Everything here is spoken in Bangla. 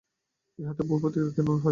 ইহাতে ভূপতি কিছু ক্ষুণ্ন হইল।